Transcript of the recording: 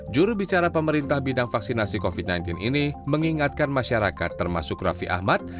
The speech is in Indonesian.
jurubicara pemerintah bidang vaksinasi covid sembilan belas ini mengingatkan masyarakat termasuk raffi ahmad